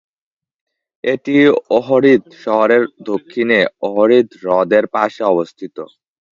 এটি ওহরিদ শহরের দক্ষিণে ওহরিদ হ্রদের পাশে অবস্থিত।